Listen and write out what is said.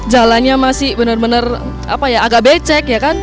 jalannya masih benar benar agak becek